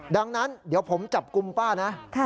ดังนั้นเดี๋ยวผมจับกลุ่มป้านะ